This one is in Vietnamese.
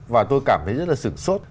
và tôi cảm thấy rất là sửng sốt